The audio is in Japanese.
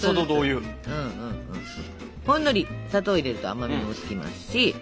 ほんのり砂糖を入れると甘みもつきますし。